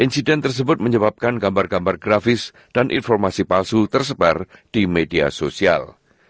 insiden tersebut menyebabkan gambar gambar grafis dan informasi palsu tersebar di media sosial